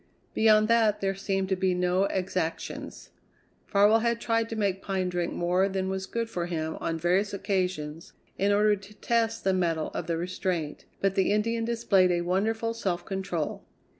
Beyond that there seemed to be no exactions. Farwell had tried to make Pine drink more than was good for him on various occasions in order to test the metal of the restraint, but the Indian displayed a wonderful self control.